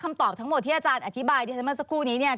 คำตอบทั้งหมดที่อาจารย์อธิบายเมื่อสักครู่นี้